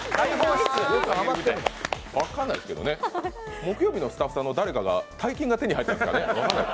分かんないですけどね、木曜日のスタッフさんの誰かが大金が手に入ったんですかね。